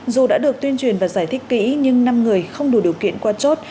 dù đã được tuyên truyền và giải thích kỹ nhưng năm người không đủ điều kiện qua chốt